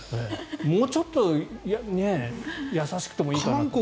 もうちょっと優しくてもいいかなと。